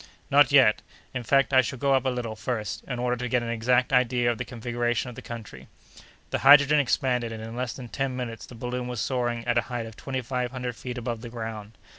"Not yet. In fact, I shall go up a little, first, in order to get an exact idea of the configuration of the country." The hydrogen expanded, and in less than ten minutes the balloon was soaring at a height of twenty five hundred feet above the ground.